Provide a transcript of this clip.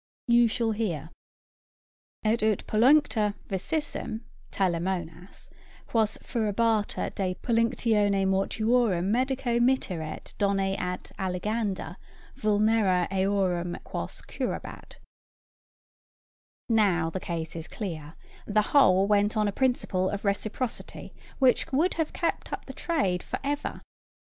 You shall hear: 'Et ut pollinctor vicissim [Greek: telamonas] quos furabatur de pollinctione mortuorum medico mitteret doni ad alliganda vulnera eorurn quos curabat.' Now, the case is clear: the whole went on a principle of reciprocity which would have kept up the trade for ever.